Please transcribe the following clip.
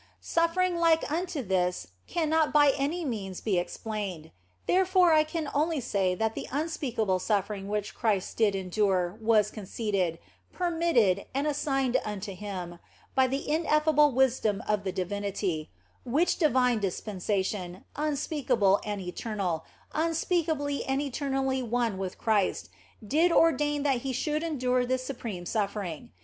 Suffering like unto this cannot by any means be ex plained. Therefore I can only say that the unspeakable suffering which Christ did endure was conceded, per mitted, and assigned unto Him by the ineffable wisdom of the Divinity, which divine dispensation, unspeakable and eternal, unspeakably and eternally one with Christ, did ordain that He should endure this supreme suffering.